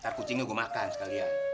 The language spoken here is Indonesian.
ntar kucingnya gue makan sekalian